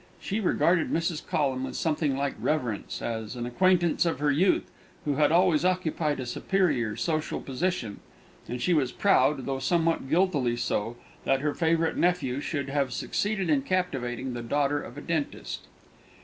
She regarded Mrs. Collum with something like reverence, as an acquaintance of her youth who had always occupied a superior social position, and she was proud, though somewhat guiltily so, that her favourite nephew should have succeeded in captivating the daughter of a dentist.